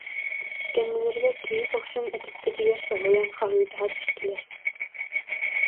Кэннилэригэр киһи көхсүн этиппитигэр соһуйан хаһыытаһа түстүлэр